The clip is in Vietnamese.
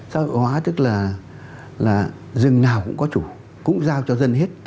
xã hội hóa tức là rừng nào cũng có chủ cũng giao cho dân hết